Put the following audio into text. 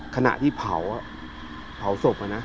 ขณะที่เผาที่เผาศก